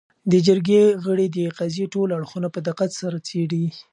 . د جرګې غړي د قضیې ټول اړخونه په دقت سره څېړي